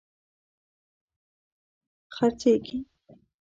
خرڅیږې